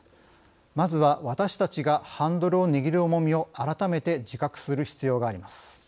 まずは私たちがハンドルを握る重みを改めて自覚する必要があります。